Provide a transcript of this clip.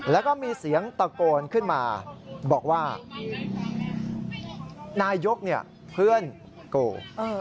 แล้วก็มีเสียงตะโกนขึ้นมาบอกว่านายกเพื่อนโก